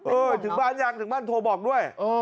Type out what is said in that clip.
เอ่ยถึงบ้านหรือยังถึงบ้านเทา่ยบอกด้วย